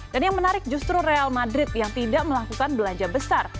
dan yang menarik justru real madrid yang tidak melakukan belanja besar